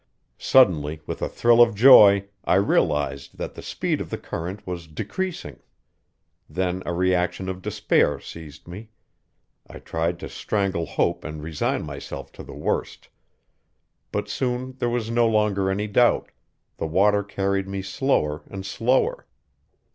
Suddenly, with a thrill of joy, I realized that the speed of the current was decreasing. Then a reaction of despair seized me; I tried to strangle hope and resign myself to the worst. But soon there was no longer any doubt; the water carried me slower and slower.